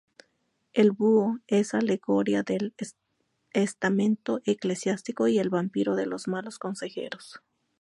El búho es alegoría del estamento eclesiástico y el vampiro de los malos consejeros.